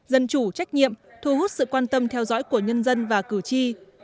dân chủ trách nhiệm thu hút sự quan tâm theo dõi của nhân dân và cử tri